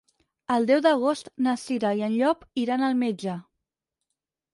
El deu d'agost na Cira i en Llop iran al metge.